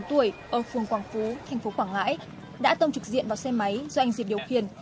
ba mươi tuổi ở phường quảng phú thành phố quảng ngãi đã tông trực diện vào xe máy do anh diệp điều khiển